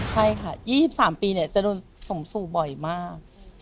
ใช่ค่ะ๒๓ปีจะโดนส่งสู่บ่อยมาก